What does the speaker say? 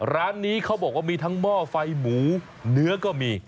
ร้านนี้เขาบอกว่ามีทั้งหม้อไฟหมูเนื้อก็มี